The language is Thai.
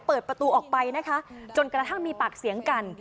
เปิดประตูออกไปนะคะจนกระทั่งมีปากเสียงกัน